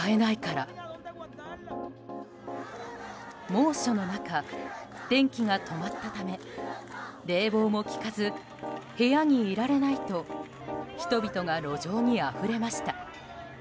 猛暑の中、電気が止まったため冷房も効かず部屋にいられないと人々が路上にあふれました。